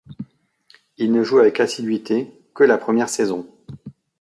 Il ne joue avec assiduité que la première saison.